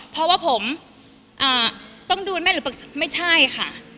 เพราะว่าผมต้องดูแม่หรือไม่ใช่ค่ะ